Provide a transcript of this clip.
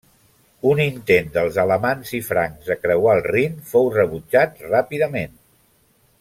Un intent dels alamans i francs de creuar el Rin fou rebutjat ràpidament.